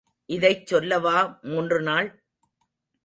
இதைச் சொல்லவா மூன்று நாள்?